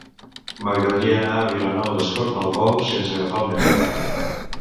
M'agradaria anar a Vilanova d'Escornalbou sense agafar el metro.